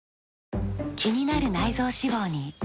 気になる内臓脂肪に。